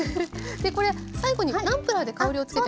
でこれ最後にナンプラーで香りをつけても？